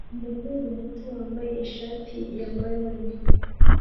Umuhungu muto wambaye ishati ya marone